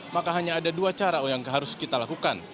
maka hanya ada dua cara yang harus kita lakukan